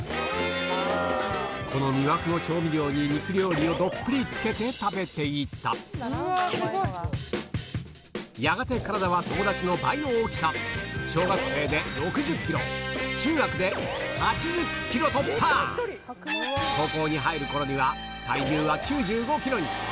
この魅惑の調味料に肉料理をどっぷりつけて食べていたやがて体は友達の倍の大きさ高校に入る頃には体重は９５ｋｇに！